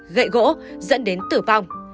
gậy gỗ dẫn đến tử vong